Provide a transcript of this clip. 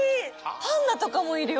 パンダとかもいるよ